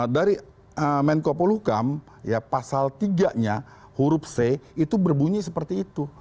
dari menkopol hukam ya pasal tiganya huruf c itu berbunyi seperti itu